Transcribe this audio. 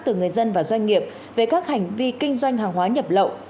từ người dân và doanh nghiệp về các hành vi kinh doanh hàng hóa nhập lậu